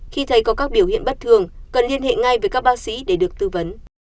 khi thấy có các biểu hiện bất thường cần liên hệ ngay với các bác sĩ để được tư vấn